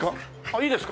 いいですか？